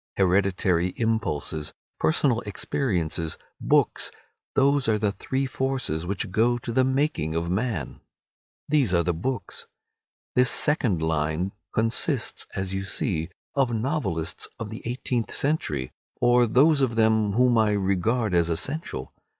Hereditary impulses, personal experiences, books—those are the three forces which go to the making of man. These are the books. This second line consists, as you see, of novelists of the eighteenth century, or those of them whom I regard as essential.